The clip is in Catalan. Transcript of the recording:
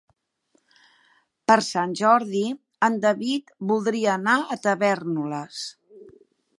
Per Sant Jordi en David voldria anar a Tavèrnoles.